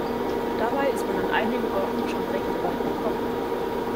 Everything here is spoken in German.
Dabei ist man an einigen Orten schon recht weit gekommen.